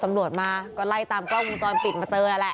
ตำรวจมาก็ไล่ตามกล้องวงจรปิดมาเจอนั่นแหละ